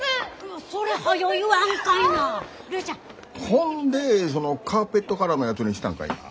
ほんでそのカーペットカラーのやつにしたんかいな。